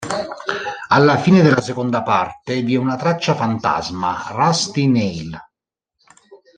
Alla fine della seconda parte vi è una traccia fantasma, Rusty Nail.